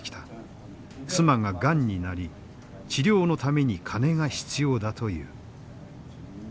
妻がガンになり治療のために金が必要だという。